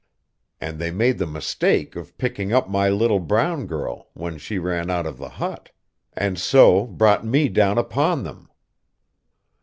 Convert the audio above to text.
And they made the mistake of picking up my little brown girl, when she ran out of the hut. And so brought me down upon them.